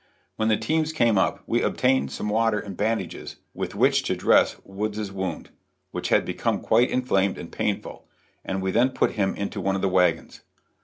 When the teams came up we obtained some water and bandages with which to dress Wood's wound, which had become quite inflamed and painful, and we then put him into one of the wagons.